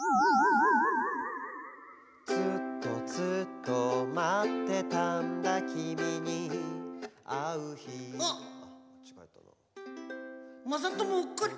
「ずっとずっとまってたんだきみにあうひ」あっまさとも。